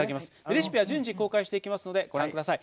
レシピは順次公開していきますのでご覧ください。